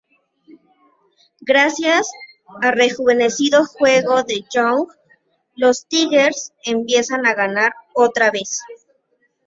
Gracias al rejuvenecido juego de Young, los Tigers empiezan a ganar otra vez.